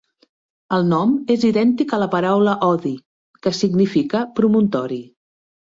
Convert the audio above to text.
El nom és idèntic a la paraula "oddi", que significa "promontori".